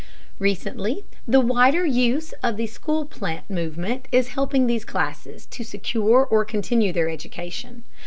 Recently the "wider use of the school plant" movement is helping these classes to secure or continue their education.